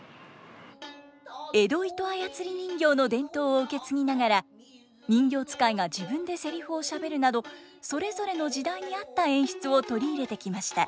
江戸糸あやつり人形の伝統を受け継ぎながら人形遣いが自分でセリフをしゃべるなどそれぞれの時代に合った演出を取り入れてきました。